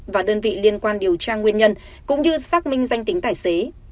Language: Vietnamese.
và đơn vị liên quan điều tra nguyên nhân cũng như xác minh danh tính tài xế